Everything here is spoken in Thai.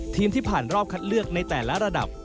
ที่ผ่านรอบคัดเลือกในแต่ละระดับ